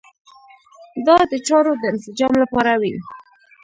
دا د چارو د انسجام لپاره وي.